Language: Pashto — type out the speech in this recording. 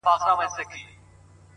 سیاه پوسي ده، ترې کډي اخلو،